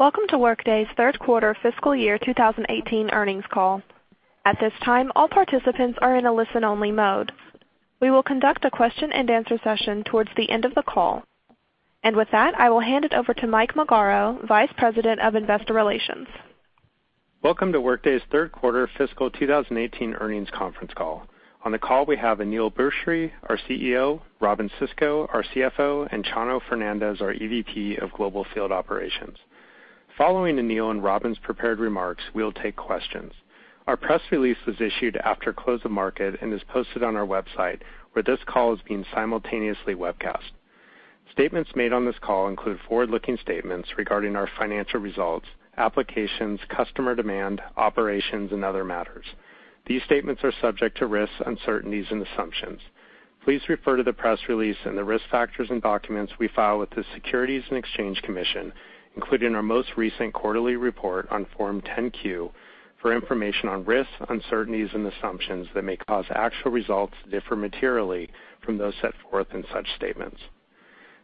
Welcome to Workday's third quarter fiscal year 2018 earnings call. At this time, all participants are in a listen-only mode. We will conduct a question-and-answer session towards the end of the call. With that, I will hand it over to Mike Magaro, Vice President of Investor Relations. Welcome to Workday's third quarter fiscal 2018 earnings conference call. On the call, we have Aneel Bhusri, our CEO, Robyn Sisco, our CFO, and Chano Fernandez, our EVP of Global Field Operations. Following Aneel and Robyn's prepared remarks, we will take questions. Our press release was issued after close of market and is posted on our website, where this call is being simultaneously webcast. Statements made on this call include forward-looking statements regarding our financial results, applications, customer demand, operations, and other matters. These statements are subject to risks, uncertainties, and assumptions. Please refer to the press release and the risk factors in documents we file with the Securities and Exchange Commission, including our most recent quarterly report on Form 10-Q, for information on risks, uncertainties, and assumptions that may cause actual results to differ materially from those set forth in such statements.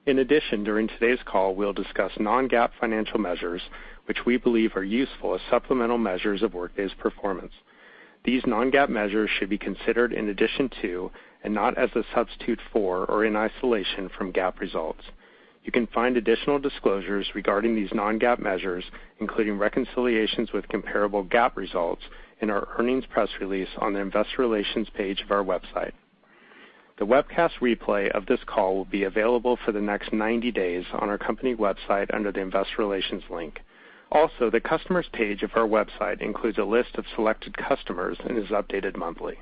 In addition, during today's call, we'll discuss non-GAAP financial measures which we believe are useful as supplemental measures of Workday's performance. These non-GAAP measures should be considered in addition to, and not as a substitute for or in isolation from GAAP results. You can find additional disclosures regarding these non-GAAP measures, including reconciliations with comparable GAAP results, in our earnings press release on the Investor Relations page of our website. The webcast replay of this call will be available for the next 90 days on our company website under the Investor Relations link. Also, the Customers page of our website includes a list of selected customers and is updated monthly.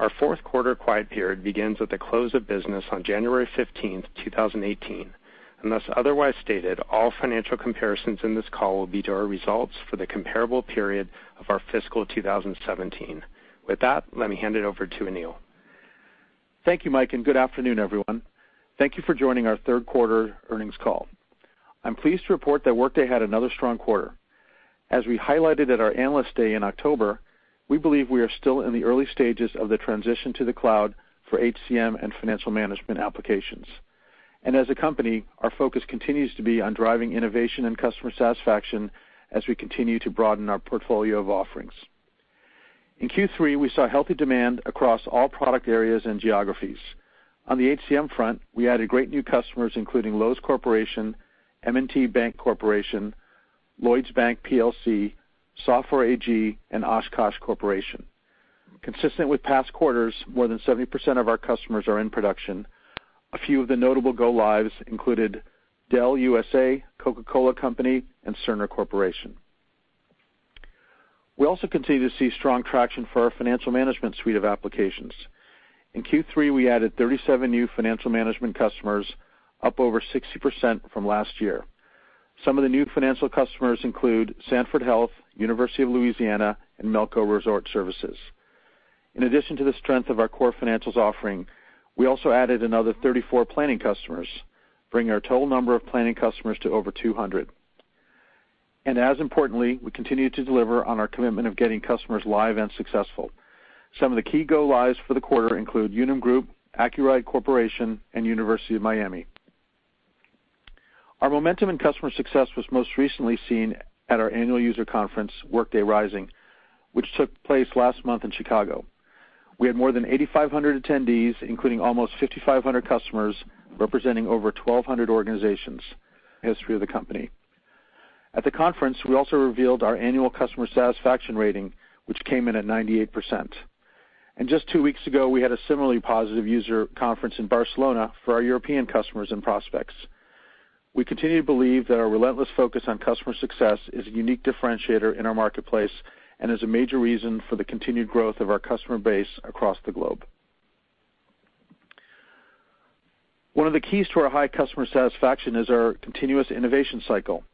Our fourth quarter quiet period begins at the close of business on January 15th, 2018. Unless otherwise stated, all financial comparisons in this call will be to our results for the comparable period of our fiscal 2017. With that, let me hand it over to Aneel. Thank you, Mike, and good afternoon, everyone. Thank you for joining our third quarter earnings call. I'm pleased to report that Workday had another strong quarter. As we highlighted at our Analyst Day in October, we believe we are still in the early stages of the transition to the cloud for HCM and financial management applications. As a company, our focus continues to be on driving innovation and customer satisfaction as we continue to broaden our portfolio of offerings. In Q3, we saw healthy demand across all product areas and geographies. On the HCM front, we added great new customers, including Lowe's Corporation, M&T Bank Corporation, Lloyds Bank PLC, Software AG, and Oshkosh Corporation. Consistent with past quarters, more than 70% of our customers are in production. A few of the notable go-lives included Dell USA, Coca-Cola Company, and Cerner Corporation. We also continue to see strong traction for our financial management suite of applications. In Q3, we added 37 new financial management customers, up over 60% from last year. Some of the new financial customers include Sanford Health, University of Louisiana, and Melco Resort Services. In addition to the strength of our core financials offering, we also added another 34 planning customers, bringing our total number of planning customers to over 200. As importantly, we continue to deliver on our commitment of getting customers live and successful. Some of the key go-lives for the quarter include Unum Group, Accuride Corporation, and University of Miami. Our momentum and customer success was most recently seen at our annual user conference, Workday Rising, which took place last month in Chicago. We had more than 8,500 attendees, including almost 5,500 customers, representing over 1,200 organizations. At the conference, we also revealed our annual customer satisfaction rating, which came in at 98%. Just two weeks ago, we had a similarly positive user conference in Barcelona for our European customers and prospects. We continue to believe that our relentless focus on customer success is a unique differentiator in our marketplace and is a major reason for the continued growth of our customer base across the globe. One of the keys to our high customer satisfaction is our continuous innovation cycle,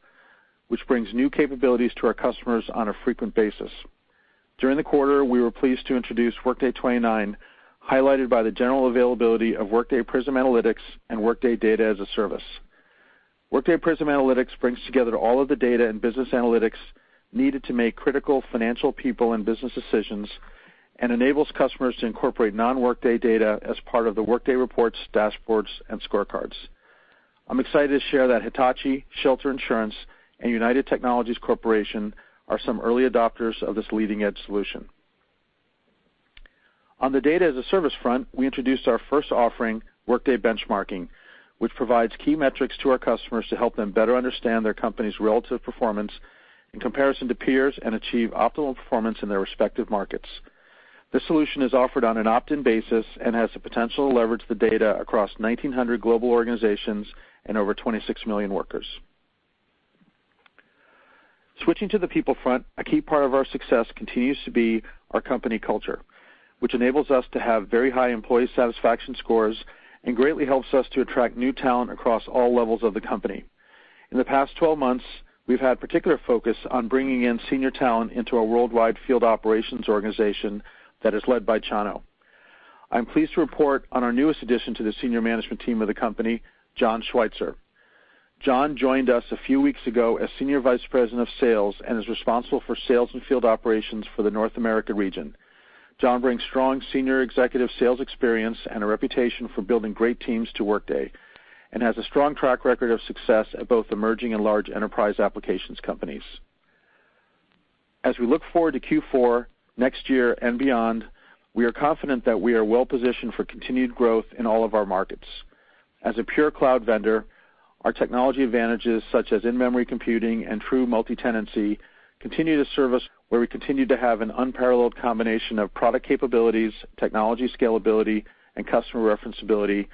which brings new capabilities to our customers on a frequent basis. During the quarter, we were pleased to introduce Workday 29, highlighted by the general availability of Workday Prism Analytics and Workday Data-as-a-Service. Workday Prism Analytics brings together all of the data and business analytics needed to make critical financial, people, and business decisions and enables customers to incorporate non-Workday data as part of the Workday reports, dashboards, and scorecards. I'm excited to share that Hitachi, Shelter Insurance, and United Technologies Corporation are some early adopters of this leading-edge solution. On the Data-as-a-Service front, we introduced our first offering, Workday Benchmarking, which provides key metrics to our customers to help them better understand their company's relative performance in comparison to peers and achieve optimal performance in their respective markets. This solution is offered on an opt-in basis and has the potential to leverage the data across 1,900 global organizations and over 26 million workers. Switching to the people front, a key part of our success continues to be our company culture, which enables us to have very high employee satisfaction scores and greatly helps us to attract new talent across all levels of the company. In the past 12 months, we've had particular focus on bringing in senior talent into our worldwide field operations organization that is led by Chano Fernandez. I'm pleased to report on our newest addition to the senior management team of the company, John Schweitzer. John joined us a few weeks ago as Senior Vice President of Sales and is responsible for sales and field operations for the North America region. John brings strong senior executive sales experience and a reputation for building great teams to Workday, and has a strong track record of success at both emerging and large enterprise applications companies. We look forward to Q4, next year, and beyond, we are confident that we are well-positioned for continued growth in all of our markets. As a pure cloud vendor, our technology advantages, such as in-memory computing and true multi-tenancy, continue to serve us where we continue to have an unparalleled combination of product capabilities, technology scalability, and customer referenceability,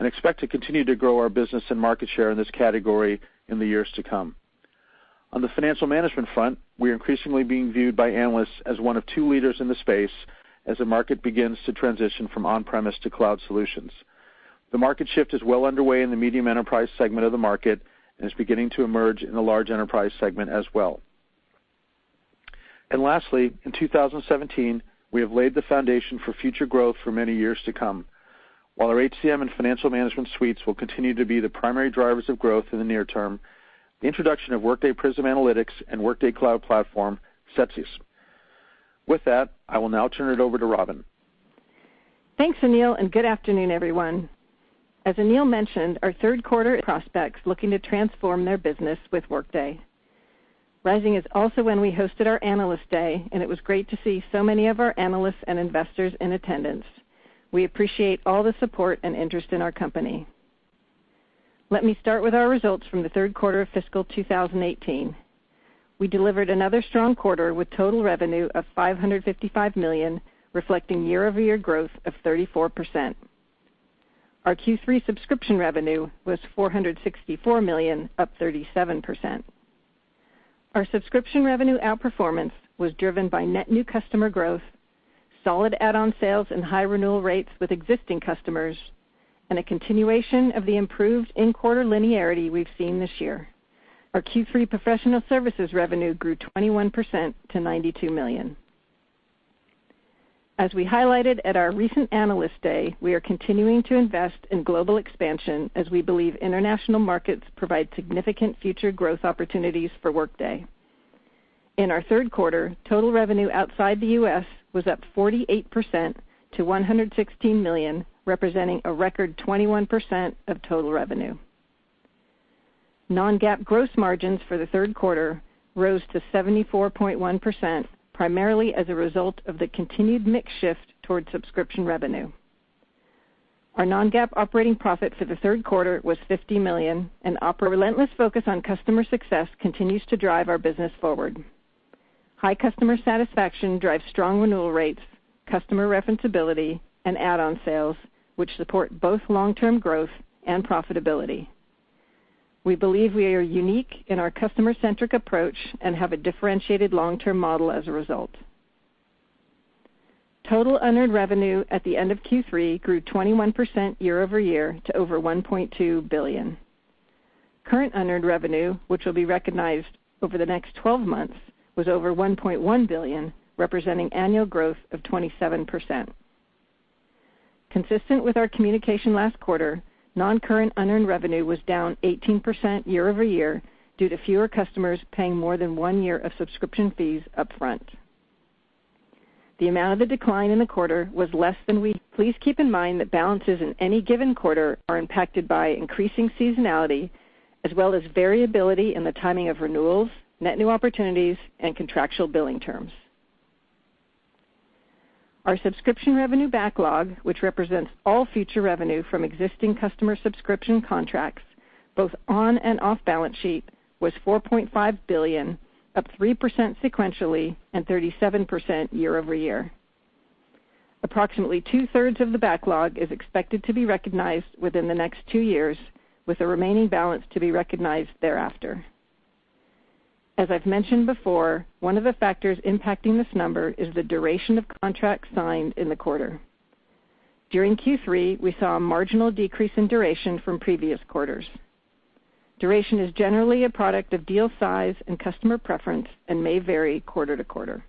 and expect to continue to grow our business and market share in this category in the years to come. On the financial management front, we're increasingly being viewed by analysts as one of two leaders in the space as the market begins to transition from on-premise to cloud solutions. The market shift is well underway in the medium enterprise segment of the market and is beginning to emerge in the large enterprise segment as well. Lastly, in 2017, we have laid the foundation for future growth for many years to come. While our HCM and financial management suites will continue to be the primary drivers of growth in the near term, the introduction of Workday Prism Analytics and Workday Cloud Platform sets us. With that, I will now turn it over to Robynne. Thanks, Aneel, and good afternoon, everyone. As Aneel mentioned, our third quarter prospects looking to transform their business with Workday. Workday Rising is also when we hosted our Analyst Day, and it was great to see so many of our analysts and investors in attendance. We appreciate all the support and interest in our company. Let me start with our results from the third quarter of FY 2018. We delivered another strong quarter with total revenue of $555 million, reflecting year-over-year growth of 34%. Our Q3 subscription revenue was $464 million, up 37%. Our subscription revenue outperformance was driven by net new customer growth, solid add-on sales and high renewal rates with existing customers, and a continuation of the improved in-quarter linearity we've seen this year. Our Q3 professional services revenue grew 21% to $92 million. As we highlighted at our recent Analyst Day, we are continuing to invest in global expansion as we believe international markets provide significant future growth opportunities for Workday. In our third quarter, total revenue outside the U.S. was up 48% to $116 million, representing a record 21% of total revenue. Non-GAAP gross margins for the third quarter rose to 74.1%, primarily as a result of the continued mix shift towards subscription revenue. Our non-GAAP operating profit for the third quarter was $50 million. Relentless focus on customer success continues to drive our business forward. High customer satisfaction drives strong renewal rates, customer referenceability, and add-on sales, which support both long-term growth and profitability. We believe we are unique in our customer-centric approach and have a differentiated long-term model as a result. Total unearned revenue at the end of Q3 grew 21% year-over-year to over $1.2 billion. Current unearned revenue, which will be recognized over the next 12 months, was over $1.1 billion, representing annual growth of 27%. Consistent with our communication last quarter, non-current unearned revenue was down 18% year-over-year due to fewer customers paying more than one year of subscription fees up front. Please keep in mind that balances in any given quarter are impacted by increasing seasonality as well as variability in the timing of renewals, net new opportunities, and contractual billing terms. Our subscription revenue backlog, which represents all future revenue from existing customer subscription contracts, both on and off balance sheet, was $4.5 billion, up 3% sequentially and 37% year-over-year. Approximately two-thirds of the backlog is expected to be recognized within the next two years, with the remaining balance to be recognized thereafter. As I've mentioned before, one of the factors impacting this number is the duration of contracts signed in the quarter. During Q3, we saw a marginal decrease in duration from previous quarters. Duration is generally a product of deal size and customer preference and may vary quarter to quarter.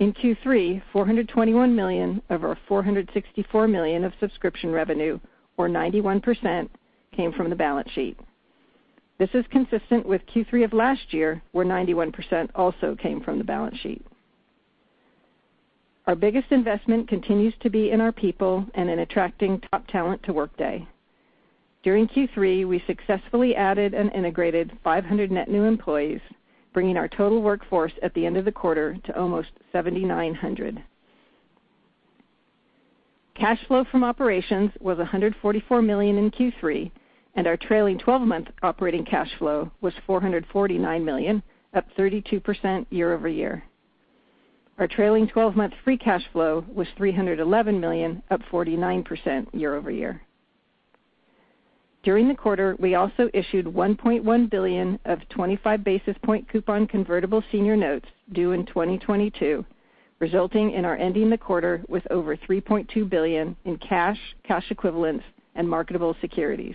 In Q3, $421 million of our $464 million of subscription revenue, or 91%, came from the balance sheet. This is consistent with Q3 of last year, where 91% also came from the balance sheet. Our biggest investment continues to be in our people and in attracting top talent to Workday. During Q3, we successfully added and integrated 500 net new employees, bringing our total workforce at the end of the quarter to almost 7,900. Cash flow from operations was $144 million in Q3, and our trailing 12-month operating cash flow was $449 million, up 32% year-over-year. Our trailing 12-month free cash flow was $311 million, up 49% year-over-year. During the quarter, we also issued $1.1 billion of 25-basis-point coupon convertible senior notes due in 2022, resulting in our ending the quarter with over $3.2 billion in cash equivalents, and marketable securities.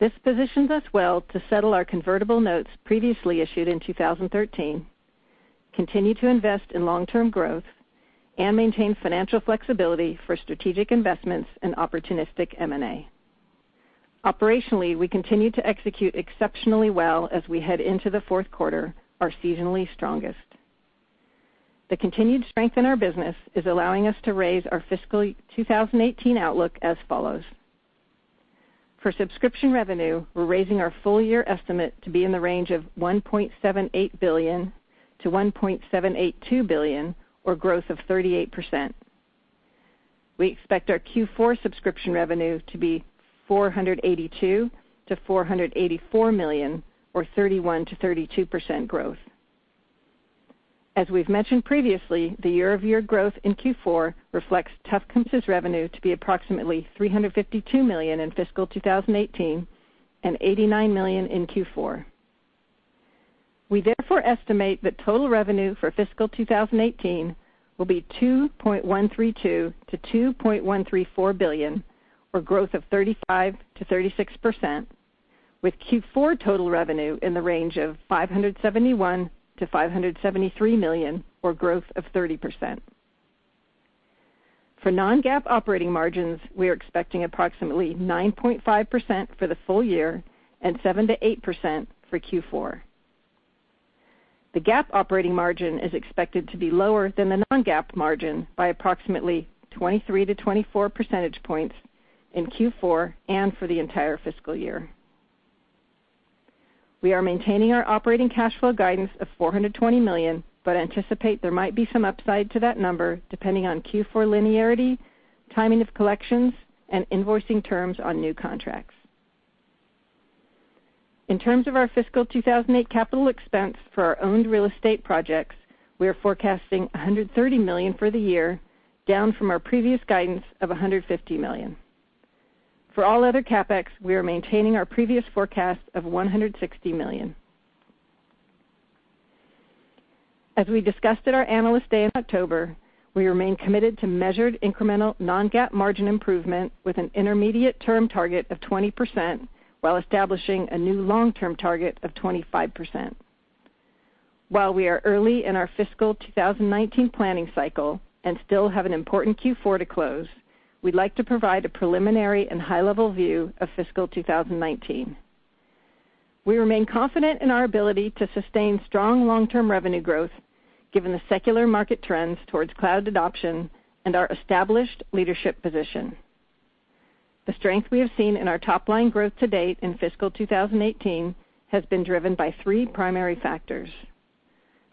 This positions us well to settle our convertible notes previously issued in 2013, continue to invest in long-term growth, and maintain financial flexibility for strategic investments and opportunistic M&A. Operationally, we continue to execute exceptionally well as we head into the fourth quarter, our seasonally strongest. The continued strength in our business is allowing us to raise our fiscal 2018 outlook as follows. For subscription revenue, we're raising our full-year estimate to be in the range of $1.78 billion-$1.782 billion, or growth of 38%. We expect our Q4 subscription revenue to be $482 million-$484 million, or 31%-32% growth. As we've mentioned previously, the year-over-year growth in Q4 reflects tough comps revenue to be approximately $352 million in FY 2018, and $89 million in Q4. We therefore estimate that total revenue for FY 2018 will be $2.132 billion-$2.134 billion, or growth of 35%-36%, with Q4 total revenue in the range of $571 million-$573 million, or growth of 30%. For non-GAAP operating margins, we are expecting approximately 9.5% for the full year and 7%-8% for Q4. The GAAP operating margin is expected to be lower than the non-GAAP margin by approximately 23 to 24 percentage points in Q4 and for the entire fiscal year. We are maintaining our operating cash flow guidance of $420 million but anticipate there might be some upside to that number depending on Q4 linearity, timing of collections, and invoicing terms on new contracts. In terms of our FY 2018 capital expense for our owned real estate projects, we are forecasting $130 million for the year, down from our previous guidance of $150 million. For all other CapEx, we are maintaining our previous forecast of $160 million. As we discussed at our Analyst Day in October, we remain committed to measured incremental non-GAAP margin improvement with an intermediate-term target of 20% while establishing a new long-term target of 25%. While we are early in our FY 2019 planning cycle and still have an important Q4 to close, we'd like to provide a preliminary and high-level view of FY 2019. We remain confident in our ability to sustain strong long-term revenue growth given the secular market trends towards cloud adoption and our established leadership position. The strength we have seen in our top-line growth to date in FY 2018 has been driven by three primary factors.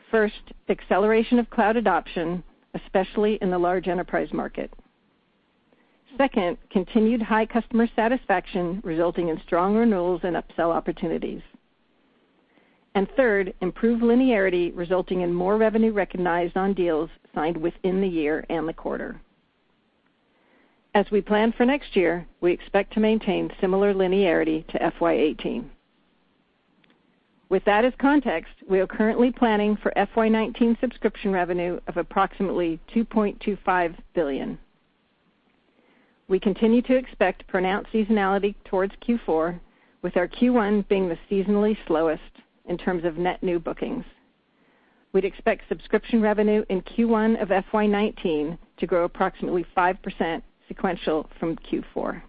First, acceleration of cloud adoption, especially in the large enterprise market. Second, continued high customer satisfaction resulting in strong renewals and upsell opportunities. Third, improved linearity resulting in more revenue recognized on deals signed within the year and the quarter. As we plan for next year, we expect to maintain similar linearity to FY 2018. With that as context, we are currently planning for FY 2019 subscription revenue of approximately $2.25 billion. We continue to expect pronounced seasonality towards Q4, with our Q1 being the seasonally slowest in terms of net new bookings. We'd expect subscription revenue in Q1 of FY 2019 to grow approximately 5% sequential from Q4.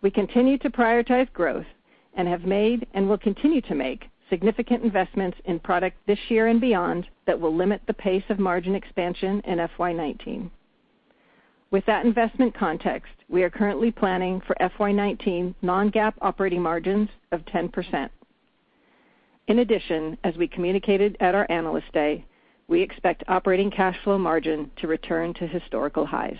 We continue to prioritize growth and have made, and will continue to make, significant investments in product this year and beyond that will limit the pace of margin expansion in FY 2019. With that investment context, we are currently planning for FY 2019 non-GAAP operating margins of 10%. In addition, as we communicated at our Analyst Day, we expect operating cash flow margin to return to historical highs.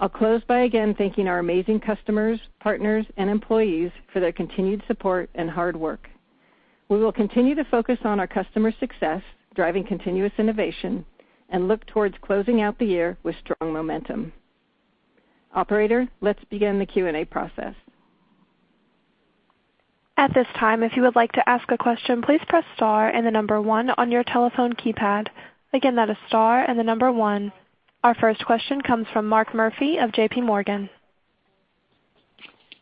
I'll close by again thanking our amazing customers, partners, and employees for their continued support and hard work. We will continue to focus on our customer success, driving continuous innovation, and look towards closing out the year with strong momentum. Operator, let's begin the Q&A process. At this time, if you would like to ask a question, please press star and the number one on your telephone keypad. Again, that is star and the number one. Our first question comes from Mark Murphy of J.P. Morgan.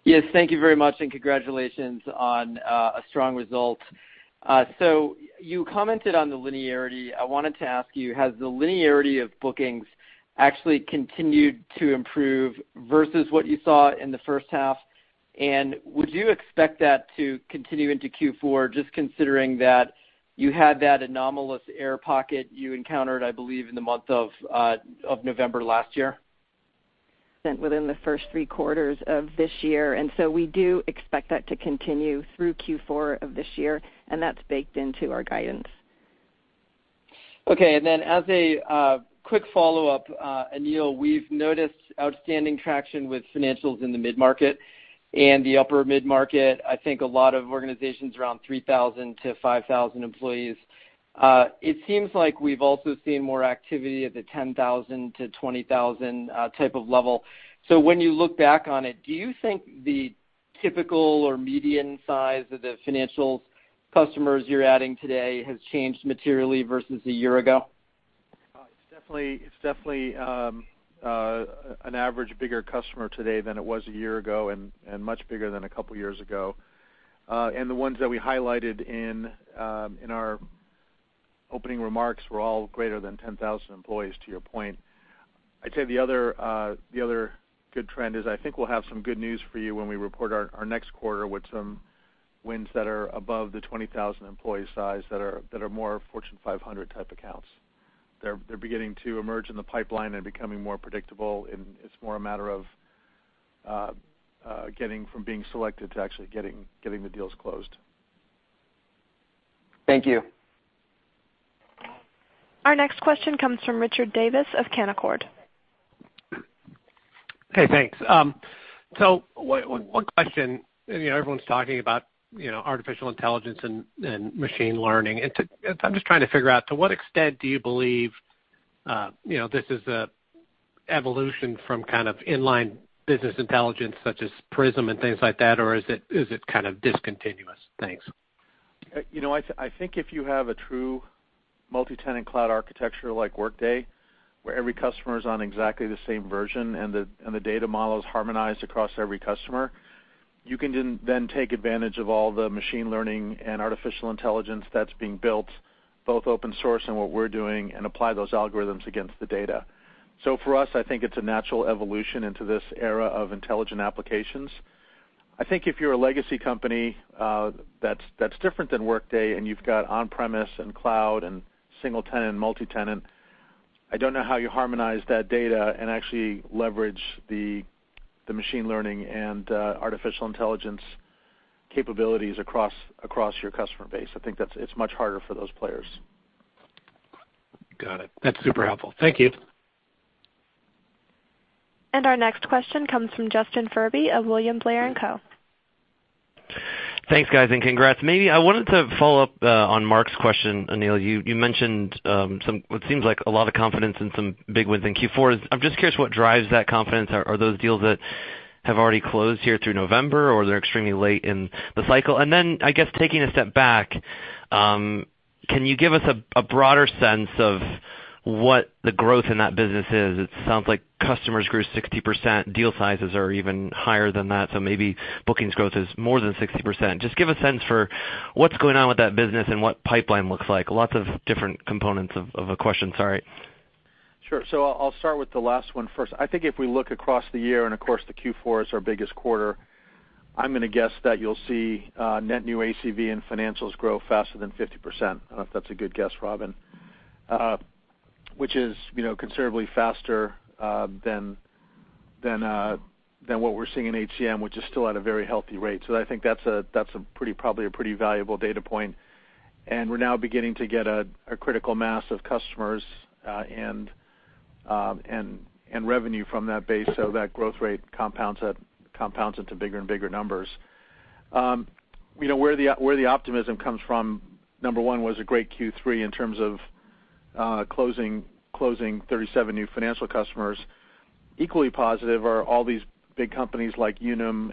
Yes, thank you very much, congratulations on a strong result. You commented on the linearity. I wanted to ask you, has the linearity of bookings actually continued to improve versus what you saw in the first half? Would you expect that to continue into Q4, just considering that you had that anomalous air pocket you encountered, I believe, in the month of November last year? Sent within the first three quarters of this year, we do expect that to continue through Q4 of this year, that's baked into our guidance. Okay, as a quick follow-up, Aneel, we've noticed outstanding traction with financials in the mid-market and the upper mid-market. I think a lot of organizations around 3,000-5,000 employees. It seems like we've also seen more activity at the 10,000-20,000 type of level. When you look back on it, do you think the typical or median size of the financials customers you're adding today has changed materially versus a year ago? It's definitely an average bigger customer today than it was a year ago and much bigger than a couple of years ago. The ones that we highlighted in our Opening remarks were all greater than 10,000 employees, to your point. I'd say the other good trend is, I think we'll have some good news for you when we report our next quarter with some wins that are above the 20,000 employee size that are more Fortune 500 type accounts. They're beginning to emerge in the pipeline and becoming more predictable, and it's more a matter of getting from being selected to actually getting the deals closed. Thank you. Our next question comes from Richard Davis of Canaccord. Hey, thanks. One question. Everyone's talking about artificial intelligence and machine learning. I'm just trying to figure out, to what extent do you believe this is an evolution from kind of inline business intelligence such as Prism and things like that, or is it kind of discontinuous? Thanks. I think if you have a true multi-tenant cloud architecture like Workday, where every customer is on exactly the same version and the data model is harmonized across every customer, you can then take advantage of all the machine learning and artificial intelligence that's being built, both open source and what we're doing, and apply those algorithms against the data. For us, I think it's a natural evolution into this era of intelligent applications. I think if you're a legacy company that's different than Workday, and you've got on-premise and cloud and single-tenant and multi-tenant, I don't know how you harmonize that data and actually leverage the machine learning and artificial intelligence capabilities across your customer base. I think it's much harder for those players. Got it. That's super helpful. Thank you. Our next question comes from Justin Furby of William Blair & Company. Thanks, guys, and congrats. Maybe I wanted to follow up on Mark's question, Aneel. You mentioned what seems like a lot of confidence in some big wins in Q4. I'm just curious what drives that confidence. Are those deals that have already closed here through November, or they're extremely late in the cycle? Taking a step back, can you give us a broader sense of what the growth in that business is? It sounds like customers grew 60%, deal sizes are even higher than that, so maybe bookings growth is more than 60%. Just give a sense for what's going on with that business and what pipeline looks like. Lots of different components of a question, sorry. Sure. I'll start with the last one first. I think if we look across the year, and of course the Q4 is our biggest quarter, I'm going to guess that you'll see net new ACV and financials grow faster than 50%. I don't know if that's a good guess, Robyn. Which is considerably faster than what we're seeing in HCM, which is still at a very healthy rate. I think that's probably a pretty valuable data point. We're now beginning to get a critical mass of customers and revenue from that base, so that growth rate compounds into bigger and bigger numbers. Where the optimism comes from, number one, was a great Q3 in terms of closing 37 new financial customers. Equally positive are all these big companies like Unum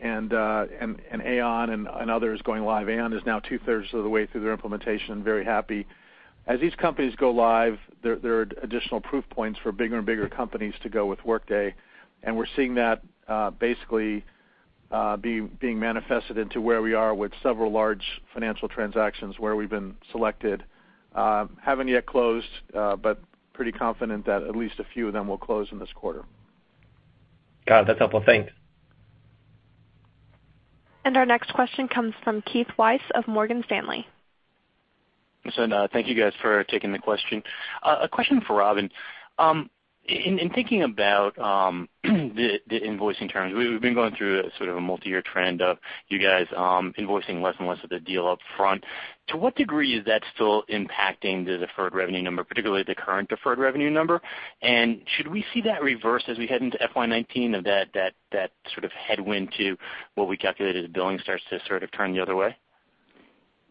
and Aon and others going live. Aon is now two-thirds of the way through their implementation, very happy. As these companies go live, there are additional proof points for bigger and bigger companies to go with Workday, and we're seeing that basically being manifested into where we are with several large financial transactions where we've been selected. Haven't yet closed, but pretty confident that at least a few of them will close in this quarter. Got it. That's helpful. Thanks. Our next question comes from Keith Weiss of Morgan Stanley. Listen, thank you guys for taking the question. A question for Robyn. In thinking about the invoicing terms, we've been going through sort of a multi-year trend of you guys invoicing less and less of the deal up front. To what degree is that still impacting the deferred revenue number, particularly the current deferred revenue number? Should we see that reverse as we head into FY 2019, of that sort of headwind to what we calculated as billing starts to sort of turn the other way?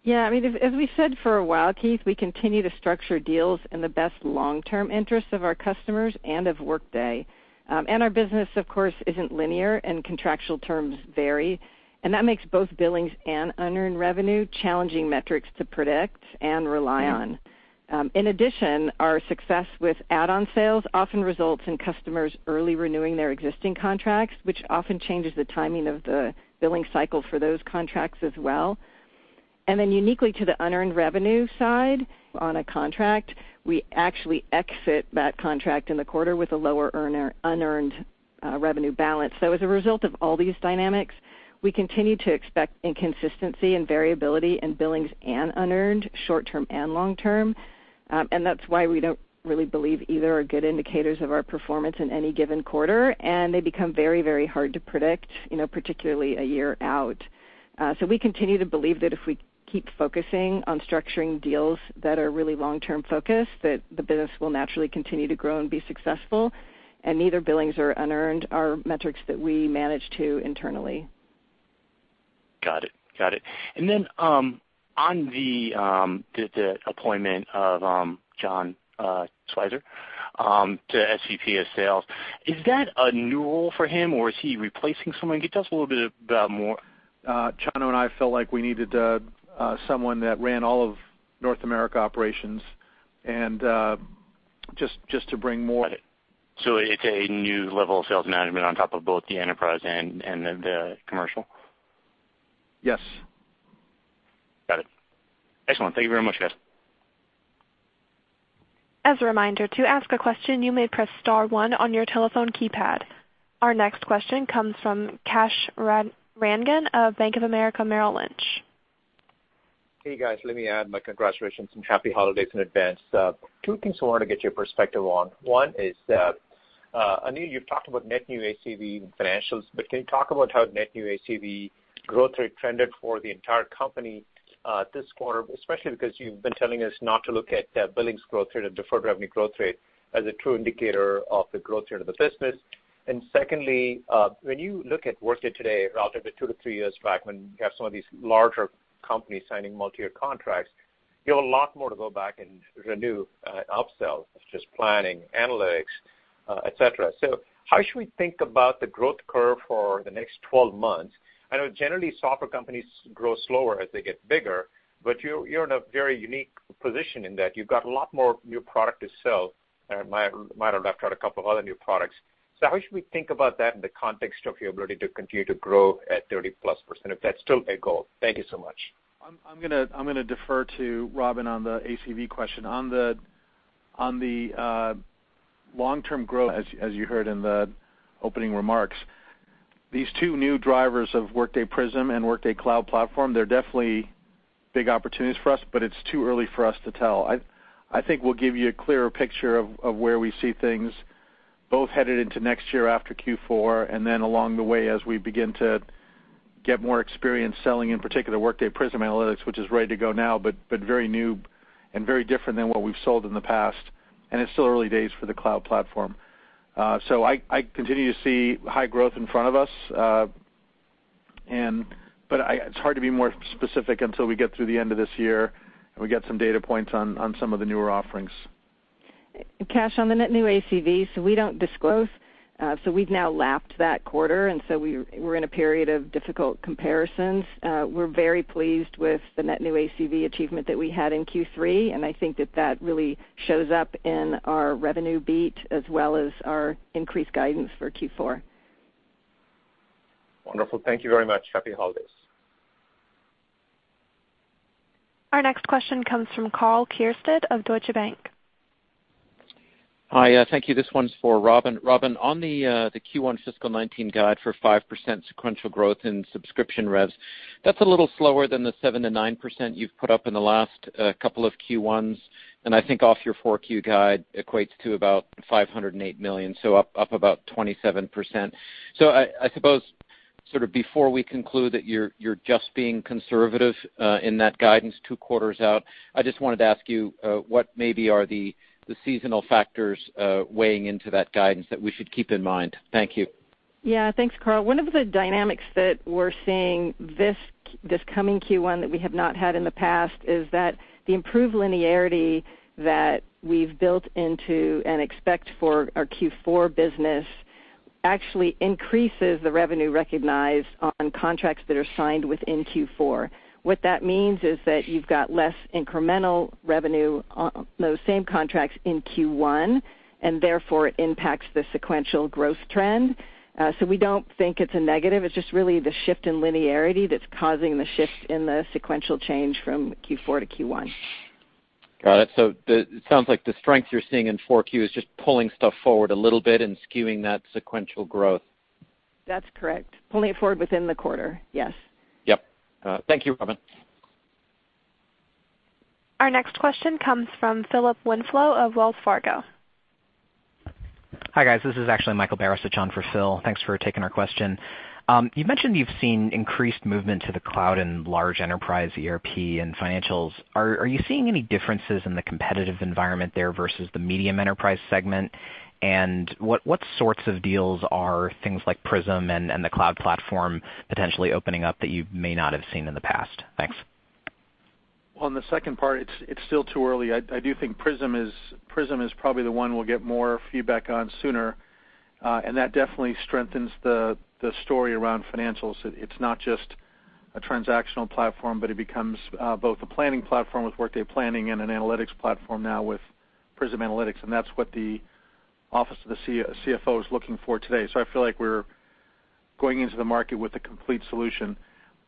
Yeah. As we said for a while, Keith, we continue to structure deals in the best long-term interests of our customers and of Workday. Our business, of course, isn't linear and contractual terms vary, and that makes both billings and unearned revenue challenging metrics to predict and rely on. In addition, our success with add-on sales often results in customers early renewing their existing contracts, which often changes the timing of the billing cycle for those contracts as well. Then uniquely to the unearned revenue side on a contract, we actually exit that contract in the quarter with a lower unearned revenue balance. As a result of all these dynamics, we continue to expect inconsistency and variability in billings and unearned, short-term and long-term. That's why we don't really believe either are good indicators of our performance in any given quarter, and they become very hard to predict, particularly a year out. We continue to believe that if we keep focusing on structuring deals that are really long-term focused, that the business will naturally continue to grow and be successful, and neither billings or unearned are metrics that we manage to internally. Got it. On the appointment of John Schweitzer to SVP of Sales, is that a new role for him, or is he replacing someone? Can you tell us a little bit about more? Chano and I felt like we needed someone that ran all of North America operations. Got it. It's a new level of sales management on top of both the enterprise and the commercial? Yes. Got it. Excellent. Thank you very much, guys. As a reminder, to ask a question, you may press star one on your telephone keypad. Our next question comes from Kash Rangan of Bank of America Merrill Lynch. Hey, guys. Let me add my congratulations and happy holidays in advance. Two things I wanted to get your perspective on. One is, Aneel, you've talked about net new ACV and financials, but can you talk about how net new ACV growth rate trended for the entire company, this quarter, especially because you've been telling us not to look at billings growth rate or deferred revenue growth rate as a true indicator of the growth rate of the business. Secondly, when you look at Workday today relative to two to three years back when you have some of these larger companies signing multi-year contracts, you have a lot more to go back and renew, upsell, such as planning, analytics, et cetera. How should we think about the growth curve for the next 12 months? I know generally software companies grow slower as they get bigger, you're in a very unique position in that you've got a lot more new product to sell, minor lift, right, a couple of other new products. How should we think about that in the context of your ability to continue to grow at 30+%, if that's still a goal? Thank you so much. I'm going to defer to Robynne on the ACV question. On the long-term growth, as you heard in the opening remarks, these two new drivers of Workday Prism and Workday Cloud Platform, they're definitely big opportunities for us, it's too early for us to tell. I think we'll give you a clearer picture of where we see things both headed into next year after Q4, along the way as we begin to get more experience selling, in particular, Workday Prism Analytics, which is ready to go now, very new and very different than what we've sold in the past. It's still early days for the Cloud Platform. I continue to see high growth in front of us. It's hard to be more specific until we get through the end of this year, and we get some data points on some of the newer offerings. Kash, on the net new ACV, we don't disclose. We've now lapped that quarter, and we're in a period of difficult comparisons. We're very pleased with the net new ACV achievement that we had in Q3, and I think that that really shows up in our revenue beat as well as our increased guidance for Q4. Wonderful. Thank you very much. Happy holidays. Our next question comes from Karl Keirstead of Deutsche Bank. Hi. Thank you. This one's for Robyn. Robyn, on the Q1 FY 2019 guide for 5% sequential growth in subscription revs, that's a little slower than the 7%-9% you've put up in the last couple of Q1s, and I think off your 4Q guide equates to about $508 million, up about 27%. I suppose, sort of before we conclude that you're just being conservative in that guidance two quarters out, I just wanted to ask you, what maybe are the seasonal factors weighing into that guidance that we should keep in mind? Thank you. Yeah. Thanks, Karl. One of the dynamics that we're seeing this coming Q1 that we have not had in the past is that the improved linearity that we've built into and expect for our Q4 business actually increases the revenue recognized on contracts that are signed within Q4. What that means is that you've got less incremental revenue on those same contracts in Q1. Therefore, it impacts the sequential growth trend. We don't think it's a negative. It's just really the shift in linearity that's causing the shift in the sequential change from Q4 to Q1. Got it. It sounds like the strength you're seeing in 4Q is just pulling stuff forward a little bit and skewing that sequential growth. That's correct. Pulling it forward within the quarter. Yes. Yep. Thank you, Robyn. Our next question comes from Philip Winslow of Wells Fargo. Hi, guys. This is actually Michael Baresich on for Phil. Thanks for taking our question. You mentioned you've seen increased movement to the cloud in large enterprise, ERP, and financials. Are you seeing any differences in the competitive environment there versus the medium enterprise segment? What sorts of deals are things like Prism and the Cloud Platform potentially opening up that you may not have seen in the past? Thanks. On the second part, it's still too early. I do think Prism is probably the one we'll get more feedback on sooner. That definitely strengthens the story around financials. It's not just a transactional platform, but it becomes both a planning platform with Workday Planning and an analytics platform now with Prism Analytics, and that's what the office of the CFO is looking for today. I feel like we're going into the market with a complete solution.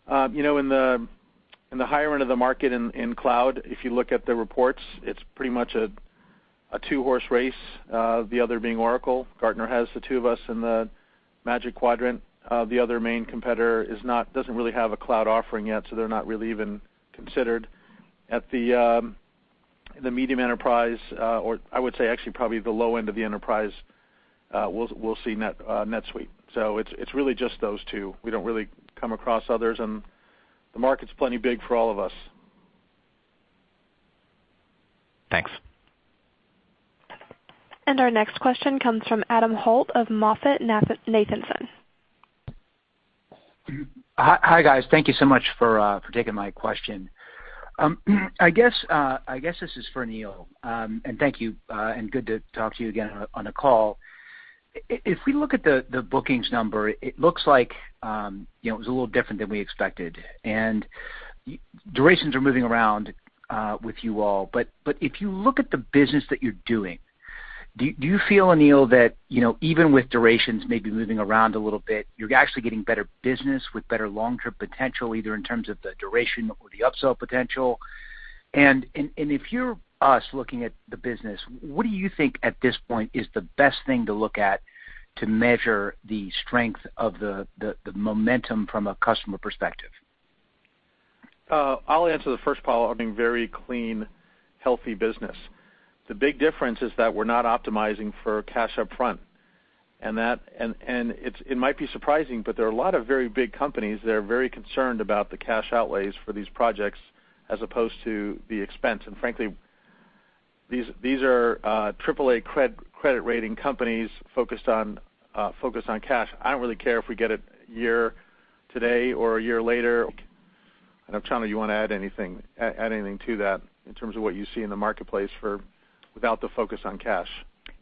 In the higher end of the market in cloud, if you look at the reports, it's pretty much a two-horse race, the other being Oracle. Gartner has the two of us in the Magic Quadrant. The other main competitor doesn't really have a cloud offering yet, so they're not really even considered. At the medium enterprise, or I would say actually probably the low end of the enterprise, we'll see NetSuite. It's really just those two. We don't really come across others, and the market's plenty big for all of us. Thanks. Our next question comes from Adam Holt of MoffettNathanson. Hi, guys. Thank you so much for taking my question. I guess this is for Aneel. Thank you, and good to talk to you again on a call. If we look at the bookings number, it looks like it was a little different than we expected. Durations are moving around with you all. If you look at the business that you're doing, do you feel, Aneel, that even with durations maybe moving around a little bit, you're actually getting better business with better long-term potential, either in terms of the duration or the upsell potential? If you're us looking at the business, what do you think, at this point, is the best thing to look at to measure the strength of the momentum from a customer perspective? I'll answer the first, Holt. I think very clean, healthy business. The big difference is that we're not optimizing for cash up front, and it might be surprising, but there are a lot of very big companies that are very concerned about the cash outlays for these projects as opposed to the expense. Frankly, these are AAA credit rating companies focused on cash. I don't really care if we get it a year today or a year later. I don't know, Chano, you want to add anything to that in terms of what you see in the marketplace without the focus on cash?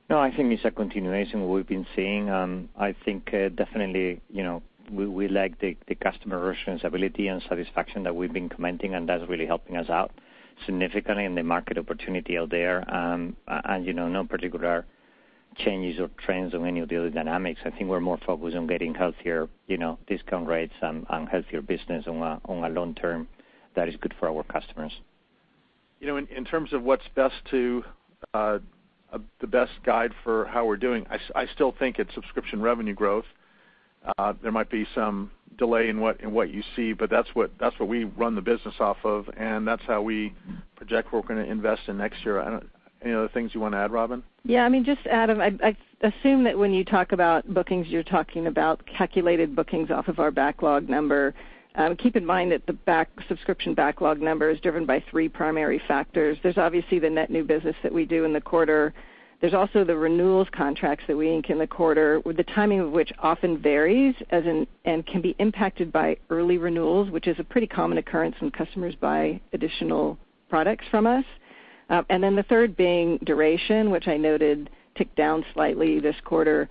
I think it's a continuation of what we've been seeing. I think definitely, we like the customer retention ability and satisfaction that we've been commenting, and that's really helping us out significantly in the market opportunity out there. No particular changes or trends or any of the other dynamics. I think we're more focused on getting healthier discount rates and healthier business on a long term that is good for our customers. In terms of what's the best guide for how we're doing, I still think it's subscription revenue growth. There might be some delay in what you see, but that's what we run the business off of, and that's how we project what we're going to invest in next year. Any other things you want to add, Robyn? Just Adam, I assume that when you talk about bookings, you're talking about calculated bookings off of our backlog number. Keep in mind that the subscription backlog number is driven by three primary factors. There's obviously the net new business that we do in the quarter. There's also the renewals contracts that we ink in the quarter, the timing of which often varies, and can be impacted by early renewals, which is a pretty common occurrence when customers buy additional products from us. The third being duration, which I noted ticked down slightly this quarter.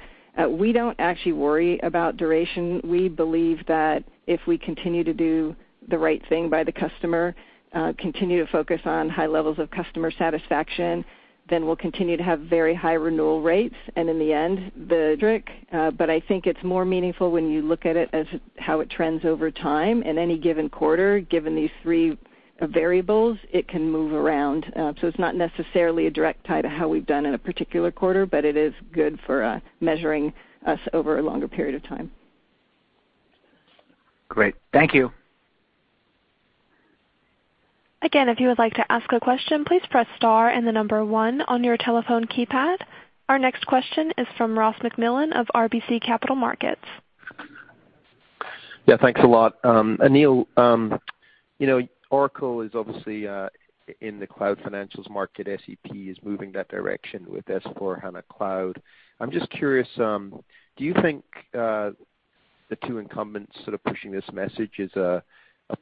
We don't actually worry about duration. We believe that if we continue to do the right thing by the customer, continue to focus on high levels of customer satisfaction, then we'll continue to have very high renewal rates, and in the end, I think it's more meaningful when you look at it as how it trends over time. In any given quarter, given these three variables, it can move around. It's not necessarily a direct tie to how we've done in a particular quarter, but it is good for measuring us over a longer period of time. Great. Thank you. Again, if you would like to ask a question, please press star and the number 1 on your telephone keypad. Our next question is from Ross MacMillan of RBC Capital Markets. Thanks a lot. Aneel, Oracle is obviously in the cloud financials market. SAP is moving that direction with S/4HANA Cloud. I'm just curious, do you think the two incumbents sort of pushing this message is a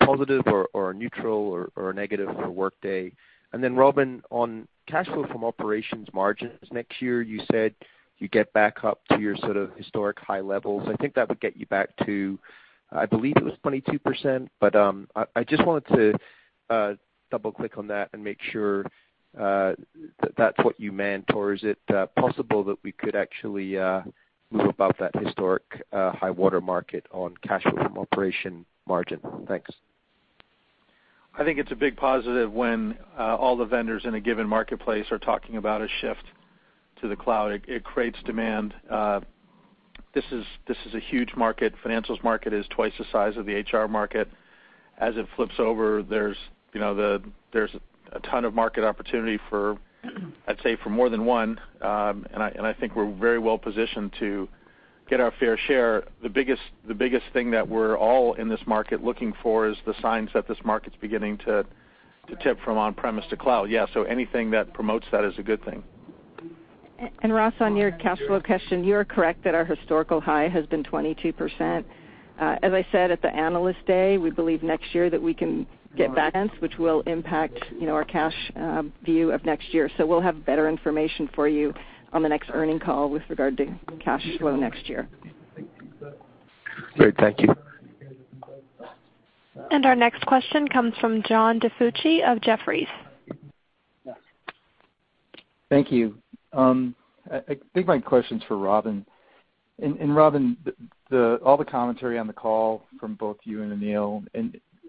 positive or a neutral or a negative for Workday? Then Robyn, on cash flow from operations margins next year, you said you'd get back up to your sort of historic high levels. I think that would get you back to, I believe it was 22%, but I just wanted to double-click on that and make sure that's what you meant, or is it possible that we could actually move above that historic high water mark on cash flow from operations margin? Thanks. I think it's a big positive when all the vendors in a given marketplace are talking about a shift to the cloud. It creates demand. This is a huge market. Financials market is twice the size of the HR market. As it flips over, there's a ton of market opportunity for, I'd say, for more than one, and I think we're very well positioned to get our fair share. The biggest thing that we're all in this market looking for is the signs that this market's beginning to tip from on-premises to cloud. Anything that promotes that is a good thing. Ross, on your cash flow question, you are correct that our historical high has been 22%. As I said at the Analyst Day, we believe next year that we can get balance, which will impact our cash view of next year. We'll have better information for you on the next earning call with regard to cash flow next year. Great. Thank you. Our next question comes from John DiFucci of Jefferies. Thank you. I think my question's for Robynne. Robynne, all the commentary on the call from both you and Aneel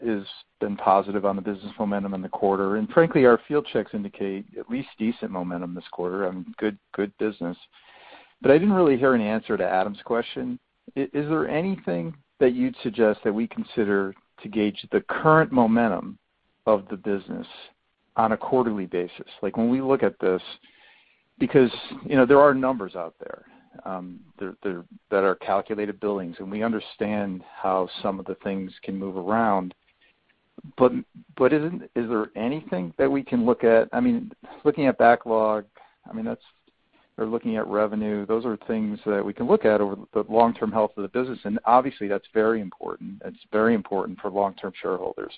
has been positive on the business momentum in the quarter. Frankly, our field checks indicate at least decent momentum this quarter, good business. I didn't really hear an answer to Adam's question. Is there anything that you'd suggest that we consider to gauge the current momentum of the business on a quarterly basis? Like when we look at this, because there are numbers out there that are calculated billings, and we understand how some of the things can move around. Is there anything that we can look at? Looking at backlog or looking at revenue, those are things that we can look at over the long-term health of the business, and obviously that's very important. It's very important for long-term shareholders.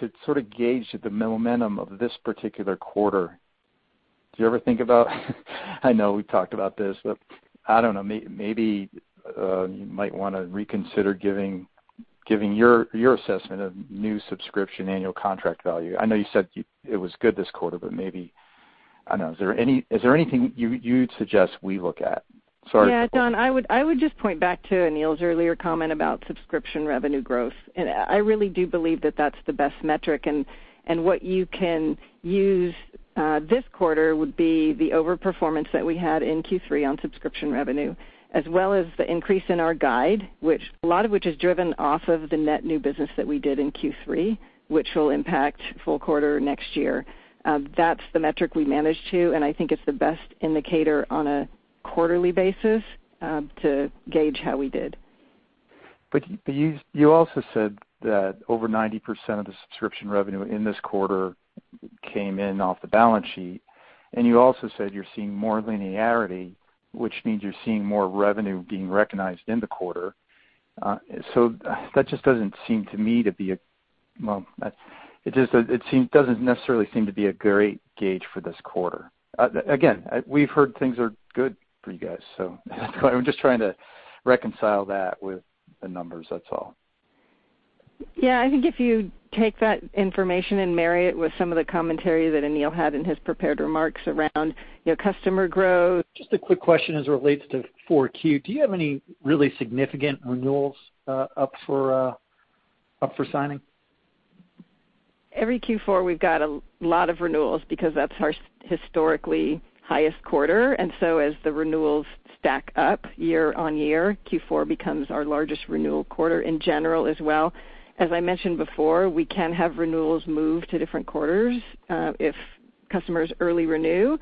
To sort of gauge the momentum of this particular quarter, do you ever think about I know we've talked about this, but I don't know, maybe you might want to reconsider giving your assessment of new subscription annual contract value. I know you said it was good this quarter, but maybe. Is there anything you'd suggest we look at? Yeah, John, I would just point back to Aneel's earlier comment about subscription revenue growth. I really do believe that that's the best metric, and what you can use this quarter would be the over-performance that we had in Q3 on subscription revenue, as well as the increase in our guide, a lot of which is driven off of the net new business that we did in Q3, which will impact full quarter next year. That's the metric we managed to, and I think it's the best indicator on a quarterly basis to gauge how we did. You also said that over 90% of the subscription revenue in this quarter came in off the balance sheet, and you also said you're seeing more linearity, which means you're seeing more revenue being recognized in the quarter. That just doesn't necessarily seem to be a great gauge for this quarter. Again, we've heard things are good for you guys. I'm just trying to reconcile that with the numbers, that's all. Yeah, I think if you take that information and marry it with some of the commentary that Aneel had in his prepared remarks around customer growth. Just a quick question as it relates to 4Q. Do you have any really significant renewals up for signing? Every Q4, we've got a lot of renewals because that's our historically highest quarter. As the renewals stack up year-over-year, Q4 becomes our largest renewal quarter in general as well. As I mentioned before, we can have renewals move to different quarters if customers early renew.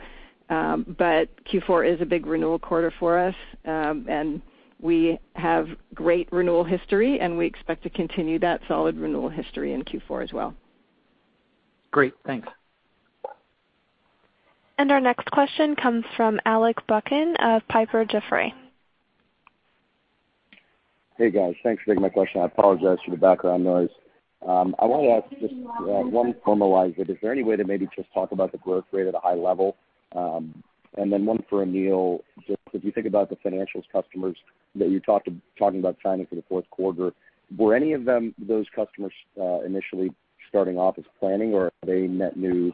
Q4 is a big renewal quarter for us, and we have great renewal history, and we expect to continue that solid renewal history in Q4 as well. Great. Thanks. Our next question comes from Alex Zukin of Piper Jaffray. Hey, guys. Thanks for taking my question. I apologize for the background noise. I want to ask just one for Robynne. Is there any way to maybe just talk about the growth rate at a high level? Then one for Aneel, just as you think about the financials customers that you're talking about signing for the fourth quarter, were any of those customers initially starting off as planning, or are they net new,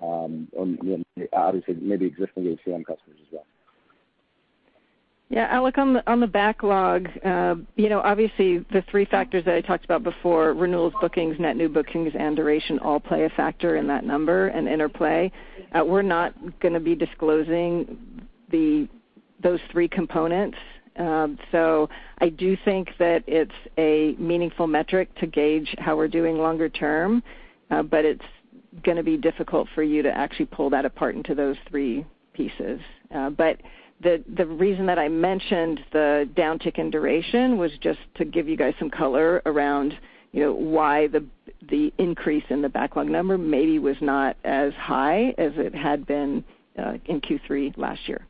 obviously maybe existing HCM customers as well? Yeah, Alex, on the backlog, obviously the three factors that I talked about before, renewals, bookings, net new bookings, and duration all play a factor in that number and interplay. We're not going to be disclosing those three components. I do think that it's a meaningful metric to gauge how we're doing longer term. It's going to be difficult for you to actually pull that apart into those three pieces. The reason that I mentioned the downtick in duration was just to give you guys some color around why the increase in the backlog number maybe was not as high as it had been in Q3 last year.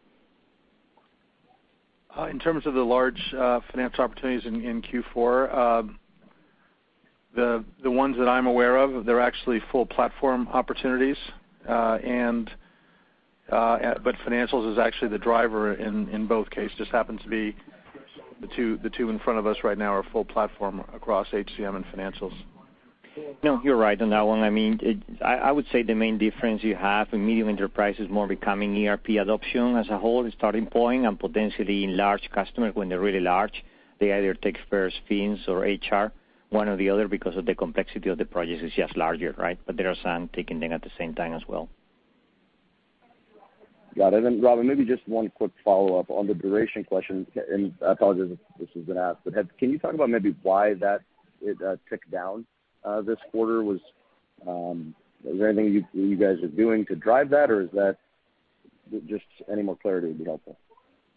In terms of the large financial opportunities in Q4, the ones that I'm aware of, they're actually full platform opportunities. Financials is actually the driver in both cases. Just happens to be the two in front of us right now are full platform across HCM and financials. No, you're right on that one. I would say the main difference you have in medium enterprise is more becoming ERP adoption as a whole, the starting point, and potentially in large customer, when they're really large, they either take first fins or HR, one or the other, because of the complexity of the project is just larger, right? There are some taking them at the same time as well. Got it. Robyn, maybe just one quick follow-up on the duration question, and apologies if this has been asked, but can you talk about maybe why that ticked down this quarter? Is there anything you guys are doing to drive that or is that just any more clarity would be helpful.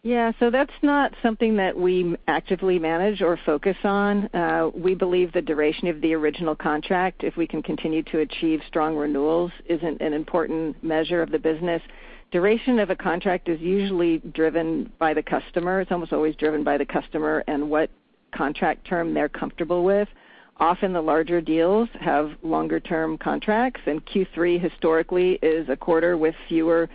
Yeah. That's not something that we actively manage or focus on. We believe the duration of the original contract, if we can continue to achieve strong renewals, is an important measure of the business. Duration of a contract is usually driven by the customer. It's almost always driven by the customer and what contract term they're comfortable with. Often the larger deals have longer-term contracts, and Q3 historically is a quarter with fewer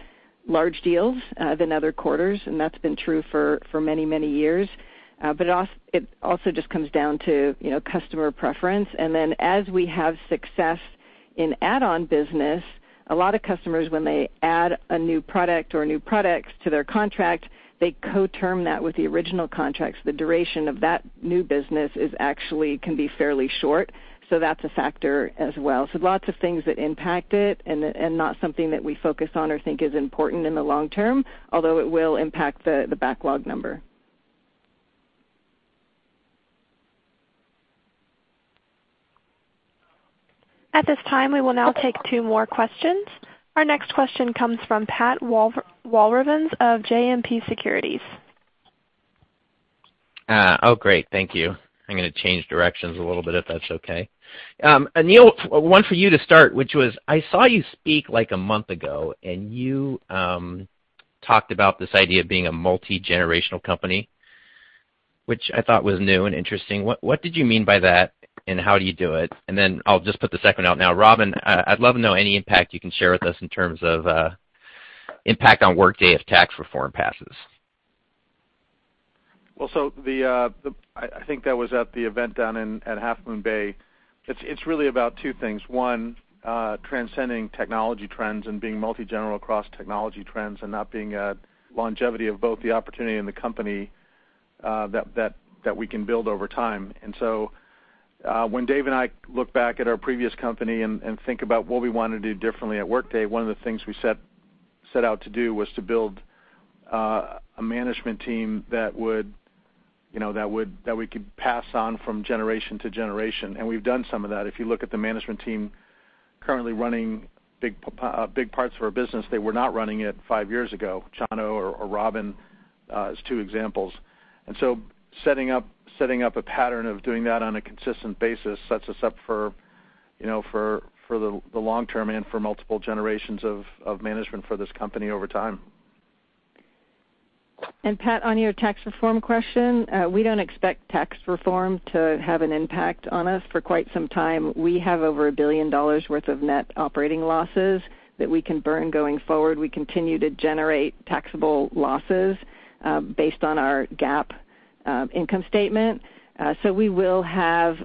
large deals than other quarters, and that's been true for many, many years. It also just comes down to customer preference, and then as we have success in add-on business, a lot of customers, when they add a new product or new products to their contract, they co-term that with the original contracts. The duration of that new business actually can be fairly short. That's a factor as well. Lots of things that impact it, and not something that we focus on or think is important in the long term, although it will impact the backlog number. At this time, we will now take two more questions. Our next question comes from Pat Walravens of JMP Securities. Great. Thank you. I'm going to change directions a little bit, if that's okay. Aneel, one for you to start, which was, I saw you speak like a month ago, and you talked about this idea of being a multi-generational company. Which I thought was new and interesting. What did you mean by that, and how do you do it? I'll just put the second out now. Robyn, I'd love to know any impact you can share with us in terms of impact on Workday if tax reform passes. I think that was at the event down at Half Moon Bay. It's really about two things. One, transcending technology trends and being multi-generational across technology trends and not being a longevity of both the opportunity and the company that we can build over time. When Dave and I look back at our previous company and think about what we want to do differently at Workday, one of the things we set out to do was to build a management team that we could pass on from generation to generation, and we've done some of that. If you look at the management team currently running big parts of our business, they were not running it five years ago. Chano or Robyn as two examples. Setting up a pattern of doing that on a consistent basis sets us up for the long term and for multiple generations of management for this company over time. Pat, on your tax reform question, we don't expect tax reform to have an impact on us for quite some time. We have over $1 billion worth of net operating losses that we can burn going forward. We continue to generate taxable losses based on our GAAP income statement. We will have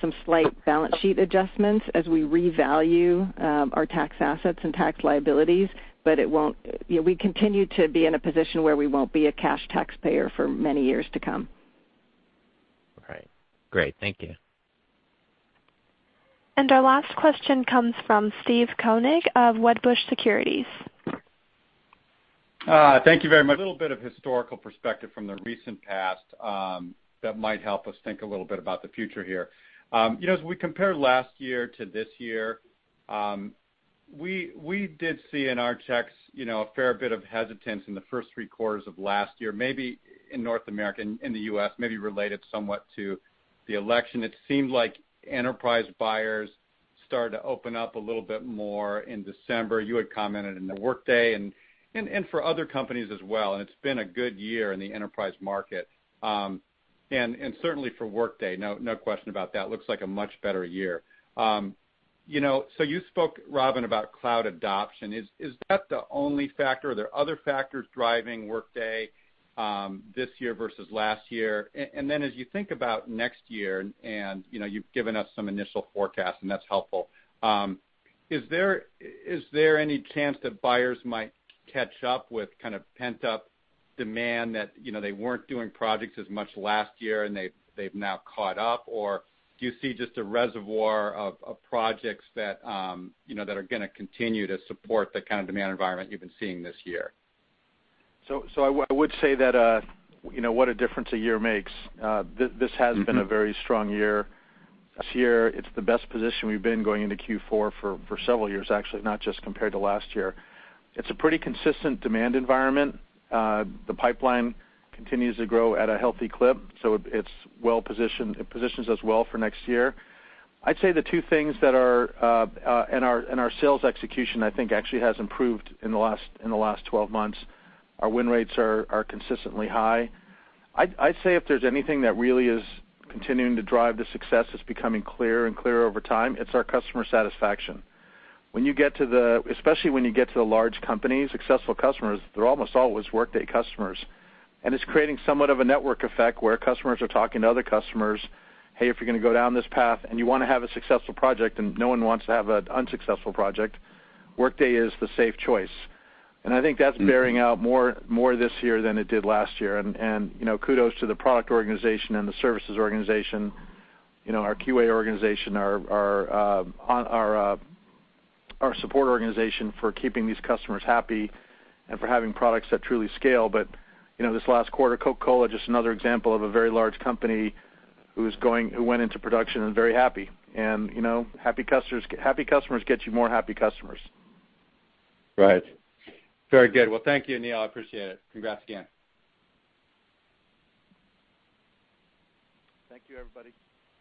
some slight balance sheet adjustments as we revalue our tax assets and tax liabilities. We continue to be in a position where we won't be a cash taxpayer for many years to come. Right. Great. Thank you. Our last question comes from Steve Koenig of Wedbush Securities. Thank you very much. A little bit of historical perspective from the recent past that might help us think a little bit about the future here. As we compare last year to this year, we did see in our checks a fair bit of hesitance in the first three quarters of last year, maybe in North America, in the U.S., maybe related somewhat to the election. It seemed like enterprise buyers started to open up a little bit more in December. You had commented in the Workday, and for other companies as well, it's been a good year in the enterprise market. Certainly for Workday, no question about that, looks like a much better year. You spoke, Robyn, about cloud adoption. Is that the only factor? Are there other factors driving Workday this year versus last year? Then as you think about next year, and you've given us some initial forecasts, and that's helpful. Is there any chance that buyers might catch up with pent-up demand that they weren't doing projects as much last year and they've now caught up? Do you see just a reservoir of projects that are going to continue to support the kind of demand environment you've been seeing this year? I would say that, what a difference a year makes. This has been a very strong year. This year, it's the best position we've been going into Q4 for several years, actually, not just compared to last year. It's a pretty consistent demand environment. The pipeline continues to grow at a healthy clip, it positions us well for next year. I'd say the two things that are in our sales execution, I think, actually has improved in the last 12 months. Our win rates are consistently high. I'd say if there's anything that really is continuing to drive the success that's becoming clearer and clearer over time, it's our customer satisfaction. Especially when you get to the large companies, successful customers, they're almost always Workday customers. It's creating somewhat of a network effect where customers are talking to other customers, "Hey, if you're going to go down this path and you want to have a successful project," and no one wants to have an unsuccessful project, Workday is the safe choice. I think that's bearing out more this year than it did last year. Kudos to the product organization and the services organization, our QA organization, our support organization for keeping these customers happy and for having products that truly scale. This last quarter, The Coca-Cola Company, just another example of a very large company who went into production and very happy. Happy customers get you more happy customers. Right. Very good. Well, thank you, Aneel Bhusri. I appreciate it. Congrats again. Thank you, everybody.